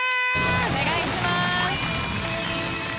お願いします。